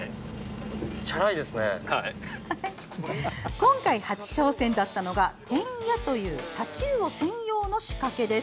今回初挑戦だったのがテンヤというタチウオ専用の仕掛けです。